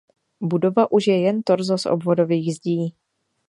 Budova už je jen torzo z obvodových zdí.